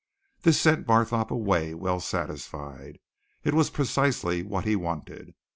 This sent Barthorpe away well satisfied. It was precisely what he wanted.